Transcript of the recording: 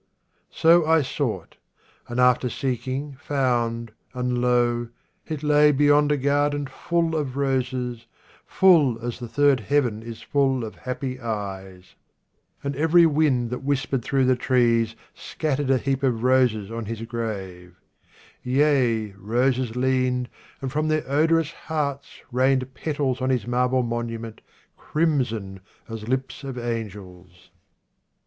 So I sought, And after seeking found, and, lo ! it lay Beyond a garden full of roses, full As the third heaven is full of happy eyes ; And every wind that whispered through the trees Scattered a heap of roses on his grave ; Yea, roses leaned, and from their odorous hearts 93 THE GRAVE OF OMAR KHAYYAM Rained petals on his marble monument, Crimson as lips of angels.